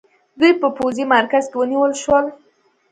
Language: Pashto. دوی په پوځي مرکز کې ونیول شول.